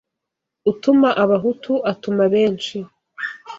Utuma abahutu atuma benshi